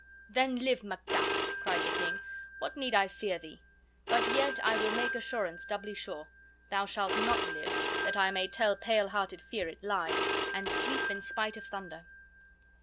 "Then live, Macduff!" cried the king. "What need I fear thee? But yet I will make assurance doubly sure. Thou shalt not live, that I may tell pale hearted fear it lies, and sleep in spite of thunder."